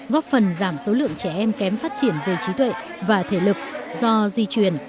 góp phần giảm số lượng trẻ em kém phát triển về trí tuệ và thể lực do di truyền